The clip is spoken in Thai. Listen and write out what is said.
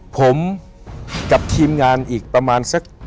ผมกับทีมงานอีกประมาณสัก